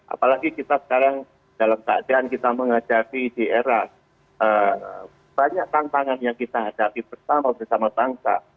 apalagi kita sekarang dalam keadaan kita menghadapi di era banyak tantangan yang kita hadapi bersama bersama bangsa